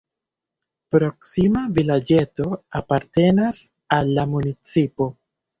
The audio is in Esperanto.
Proksima vilaĝeto apartenas al la municipo.